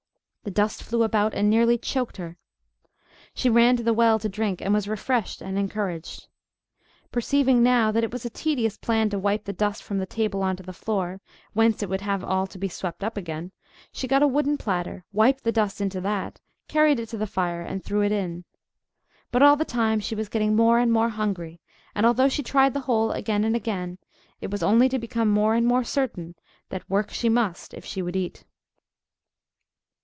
The dust flew about and nearly choked her. She ran to the well to drink, and was refreshed and encouraged. Perceiving now that it was a tedious plan to wipe the dust from the table on to the floor, whence it would have all to be swept up again, she got a wooden platter, wiped the dust into that, carried it to the fire, and threw it in. But all the time she was getting more and more hungry and, although she tried the hole again and again, it was only to become more and more certain that work she must if she would eat.